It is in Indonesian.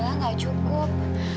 kak uang kamu gak cukup